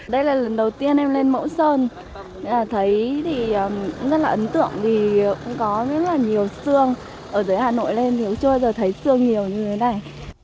đây là lần đầu tiên em lên mẫu sơn thấy thì rất là ấn tượng vì cũng có rất là nhiều xương ở dưới hà nội lên thì cũng chưa bao giờ thấy xương nhiều như thế này